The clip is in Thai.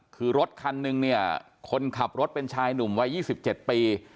คือรถคันนึงเนี่ยคนขับรถเป็นชายหนุ่มวัย๒๗ปี